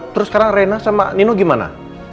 terus sekarang rena sama nino gimana